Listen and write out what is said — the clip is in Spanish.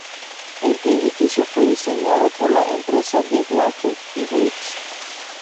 El edificio fue diseñado por la empresa de Walker y Weeks.